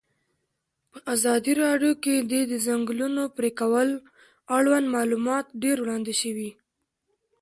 په ازادي راډیو کې د د ځنګلونو پرېکول اړوند معلومات ډېر وړاندې شوي.